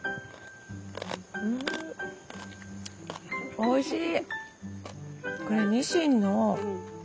おいしい！